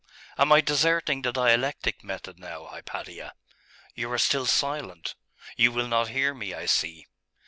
Am I deserting the dialectic method now, Hypatia?.... You are still silent? You will not hear me, I see....